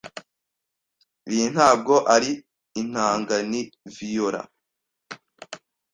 Iyi ntabwo ari inanga. Ni viola.